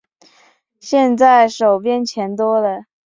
现在手边钱多了